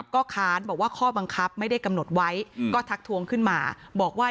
ก็ค้านบอกว่าข้อบังคับไม่ได้กำหนดไว้ก็ทักทวงขึ้นมาบอกว่า